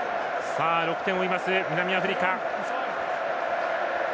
６点を追う南アフリカ。